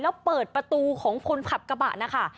แล้วเปิดประตูของคนขับกระบะนะคะ